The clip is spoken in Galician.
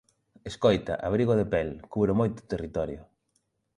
Escoita, abrigo de pel, cubro moito territorio.